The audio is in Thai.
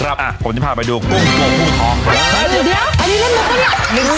ครับอ่ะผมจะพาไปดูกุ้งกุ้งกุ้งของเดี๋ยวเดี๋ยวอันนี้เล่นบุคก็เนี้ย